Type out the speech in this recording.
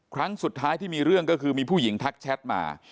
ครั้งสุดท้ายที่มีเรื่องก็คือมีผู้หญิงทักแชทมา